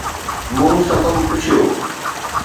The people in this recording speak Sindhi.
مون سبب پڇيو.